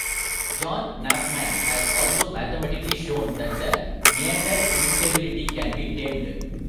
John Knapman has also mathematically shown that the meander instability can be tamed.